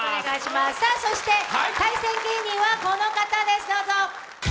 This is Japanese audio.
そして、対戦芸人はこの方です。